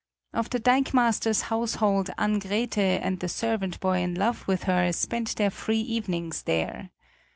Of the dikemaster's household Ann Grethe and the servant boy in love with her spent their free evenings there.